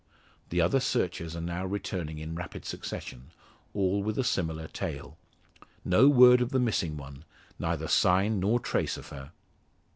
The other searchers are now returning in rapid succession, all with a similar tale. No word of the missing one neither sign nor trace of her.